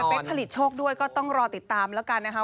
ผลิตโชคด้วยก็ต้องรอติดตามแล้วกันนะคะ